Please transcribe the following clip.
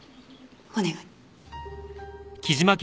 お願い。